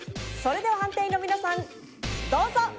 それでは判定員の皆さんどうぞ！